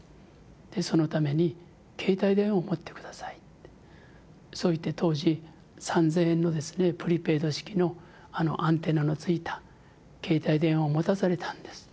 そのために「携帯電話を持って下さい」ってそう言って当時３，０００円のですねプリペイド式のあのアンテナのついた携帯電話を持たされたんです。